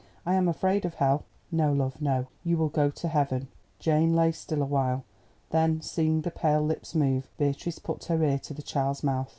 I am afraid of hell." "No, love, no; you will go to heaven." Jane lay still awhile. Then seeing the pale lips move, Beatrice put her ear to the child's mouth.